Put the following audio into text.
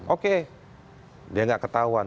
oke dia gak ketahuan